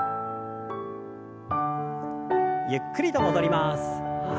ゆっくりと戻ります。